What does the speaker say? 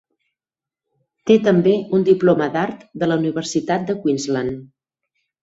Té també un diploma d'art de la Universitat de Queensland.